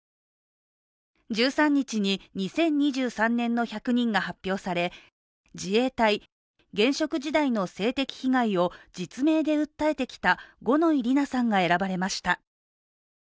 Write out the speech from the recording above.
１３日に２０２３年の１００人が発表され自衛隊、現職時代の性的被害を実名で訴えてきた五ノ井里奈さんが選ばれました。